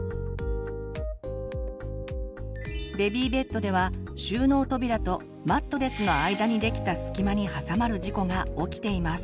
ベビーベッドでは収納扉とマットレスの間にできた隙間に挟まる事故が起きています。